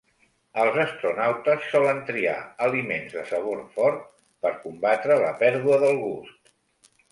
Els astronautes solen triar aliments de sabor fort per combatre la pèrdua del gust.